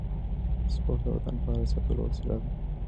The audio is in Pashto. سپورت د بدن فعال ساتلو وسیله ده.